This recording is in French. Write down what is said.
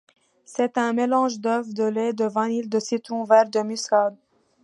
C'est un mélange d'œuf, de lait, de vanille, de citron vert, de muscade.